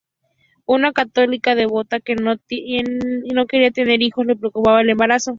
Una católica devota que no quería tener hijos, le preocupaba el embarazo.